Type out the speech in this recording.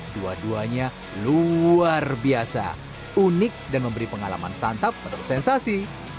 dua duanya luar biasa unik dan memberi pengalaman santap menu sensasi